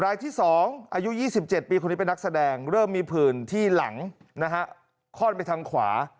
รายที่๒อายุ๒๗ปีคนนี้เป็นนักแสดงเริ่มมีผื่นที่หลังนะฮะคล่อนไปทางขวา